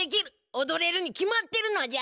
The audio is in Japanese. おどれるに決まってるのじゃ！